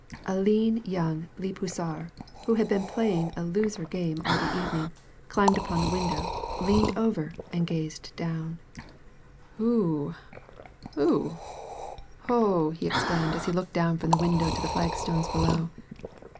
A lean young leib hussar, who had been inlaying a losing game all the evening, climbed upon the window, leaned over, and gazed down, — WAR AND PEACE, 37 Oo ! Oo ! Oo !" he exclaimed, as he looked down from the window to the flagstones below.